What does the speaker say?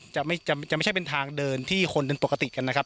จะไม่ใช่เป็นทางเดินที่คนเดินปกติกันนะครับ